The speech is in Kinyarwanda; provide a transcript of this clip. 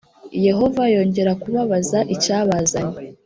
yehova yongera kubabaza icyabazanye